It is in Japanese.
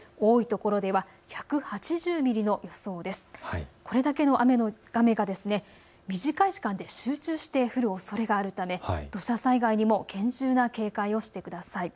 これだけの雨が短い時間で降るおそれがあるため土砂災害にも厳重な警戒をしてください。